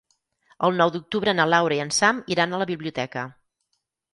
El nou d'octubre na Laura i en Sam iran a la biblioteca.